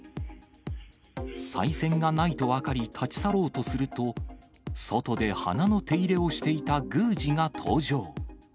さい銭がないと分かり、立ち去ろうとすると、外で花の手入れをしていた宮司が登場。